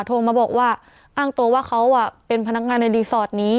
โทรมาบอกว่าอ้างตัวว่าเขาเป็นพนักงานในรีสอร์ทนี้